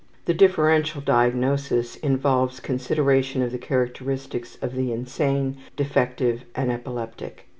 The differential diagnosis involves consideration of the characteristics of the insane, defective, and epileptic.